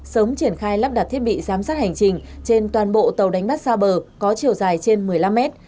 sớm triển khai lắp đặt thiết bị giám sát hành trình trên toàn bộ tàu đánh bắt xa bờ có chiều dài trên một mươi năm mét